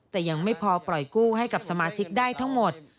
แต่ยังไม่พอปล่อยกู้ให้กับสมาชิกได้ทั้งหมด